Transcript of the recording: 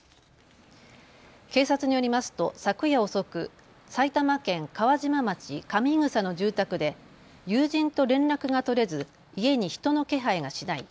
警察によりますと昨夜遅く埼玉県川島町上伊草の住宅で友人と連絡が取れず家に人の気配がしない。